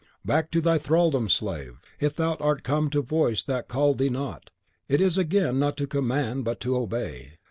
"Back to thy thraldom, slave! If thou art come to the voice that called thee not, it is again not to command, but to obey!